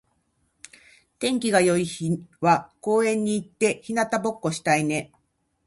天気が良い日は公園に行って日向ぼっこしたいね。